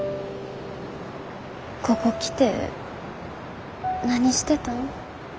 ここ来て何してたん？